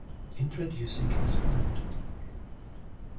Introducing his friend!